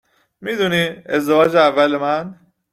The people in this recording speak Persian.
میدونی ، ازدواج اول من